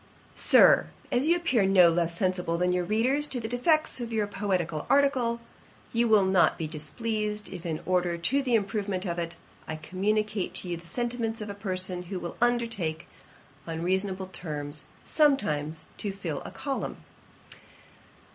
'Sir, 'As you appear no less sensible than your readers of the defects of your poetical article, you will not be displeased, if, in order to the improvement of it, I communicate to you the sentiments of a person, who will undertake, on reasonable terms, sometimes to fill a column.